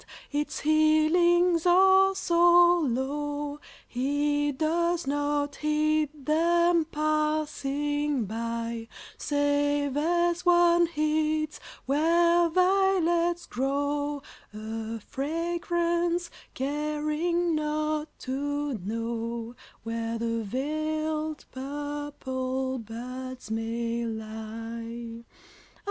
its healings are so low He does not heed them passing by, Save as one heeds, where violets grow, A fragrance, caring not to know Where the veiled purple buds may lie.